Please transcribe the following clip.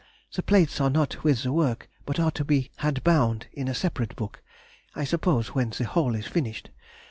The plates are not with the work, but are to be had bound in a separate book (I suppose when the whole is finished).